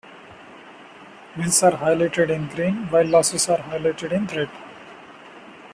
Wins are highlighted in green, while losses are highlighted in red.